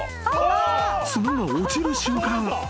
［角が落ちる瞬間］